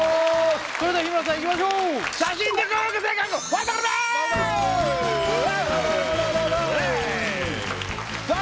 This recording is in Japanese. それでは日村さんいきましょうさあ